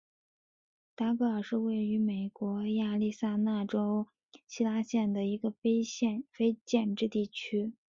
达格尔是位于美国亚利桑那州希拉县的一个非建制地区。